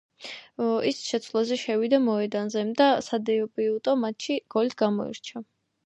ის შეცვლაზე შევიდა მოედანზე და სადებიუტო მატჩში გოლით გამოირჩა.